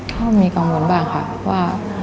ก็มีกังวลบ้างค่ะว่า